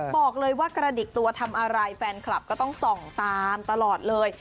บอกเลยว่ากระดิกตัวทำอะไรแฟนคลับก็ต้องส่องตามตลอดเลย